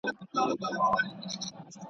تر خېښ، نس راپېش.